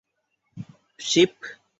วอนทำห้องน้ำให้ไม่เปียกด้วย